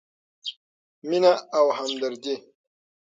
مینه او همدردي: